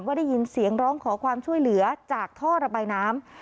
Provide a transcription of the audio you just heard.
ได้ยินเสียงร้องขอความช่วยเหลือจากท่อระบายน้ำ